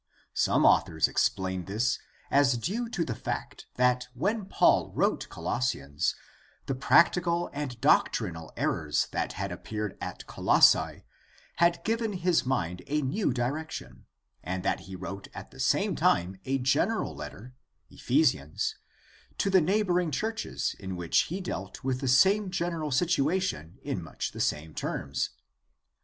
Some scholars explain this as due to the fact that when Paul wrote Colossians the prac tical and doctrinal errors that had appeared at Colossae had given his mind a new direction, and that he wrote at the same time a general letter (Ephesians) to the neighboring churches in which he dealt with the same general situation in much the same terms.